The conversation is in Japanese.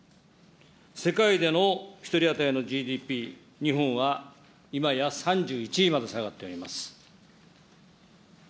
世界での１人当たりのＧＤＰ、日本は今や３１位まで下がっております。